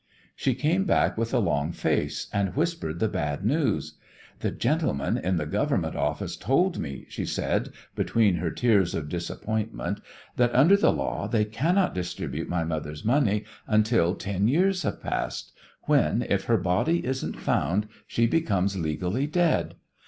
She came back with a long face and whispered the bad news. "The gentlemen in the Government office told me," she said, between her tears of disappointment, "that under the law they cannot distribute my mother's money until ten years have passed, when, if her body isn't found, she becomes legally dead.